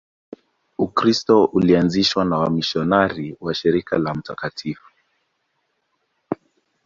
Ukristo ulianzishwa na wamisionari wa Shirika la Mt.